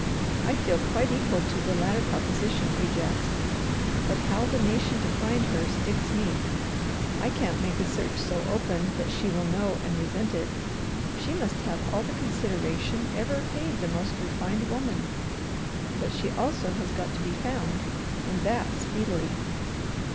I feel quite equal to the latter proposition, Ajax, but how the nation to find her sticks me. I can't make a search so open that she will know and resent it. She must have all the consideration ever paid the most refined woman, but she also has got to be found, and that speedily.